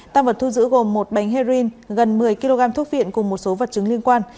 tăng vật thu giữ gồm một bánh heroin gần một mươi kg thuốc viện cùng một số vật chứng liên quan